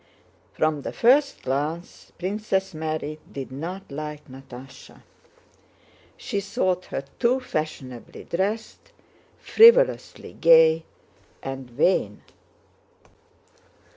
From the first glance Princess Mary did not like Natásha. She thought her too fashionably dressed, frivolously gay and vain.